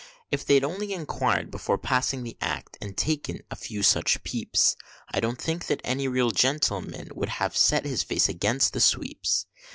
If they'd only inquired before passing the Act, and taken a few such peeps, I don't think that any real gentleman would have set his face against sweeps.